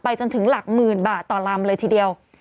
จนถึงหลักหมื่นบาทต่อลำเลยทีเดียว